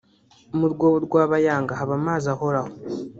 mu rwobo rwa Bayanga haba amazi ahoraho